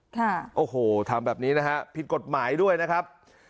ค่ะโอ้โหทำแบบนี้นะฮะผิดกฎหมายด้วยนะครับ